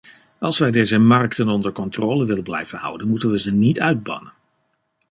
Als wij deze markten onder controle willen blijven houden, moeten we ze niet uitbannen.